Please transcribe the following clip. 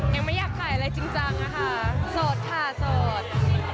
ยังไม่อยากถ่ายอะไรจริงจังอะค่ะโสดค่ะโสด